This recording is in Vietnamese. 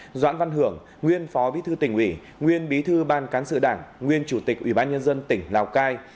doãn văn hưởng nguyên phó bí thư tỉnh ủy nguyên bí thư ban cán sự đảng nguyên chủ tịch ủy ban nhân dân tỉnh lào cai